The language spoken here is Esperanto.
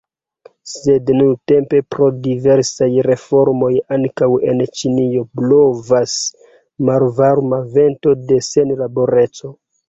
Sed nuntempe pro diversaj reformoj ankaŭ en Ĉinio blovas malvarma vento de senlaboreco.